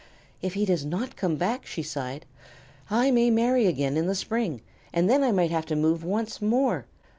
"If he does not come back," she sighed, "I may marry again in the spring, and then I might have to move once more.